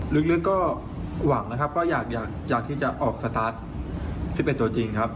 ลึกก็หวังนะครับก็อยากที่จะออกสตาร์ท๑๑ตัวจริงครับ